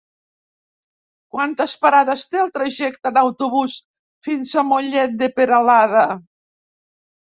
Quantes parades té el trajecte en autobús fins a Mollet de Peralada?